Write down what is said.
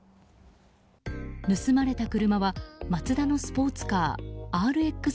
盗まれた車は、マツダのスポーツカー「ＲＸ‐７」。